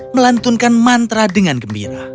melantunkan mantra dengan gembira